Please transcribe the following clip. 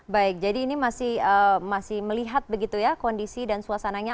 baik jadi ini masih melihat begitu ya kondisi dan suasananya